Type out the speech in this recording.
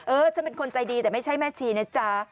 ฉันเป็นคนใจดีแต่ไม่ใช่แม่ชีนะจ๊ะ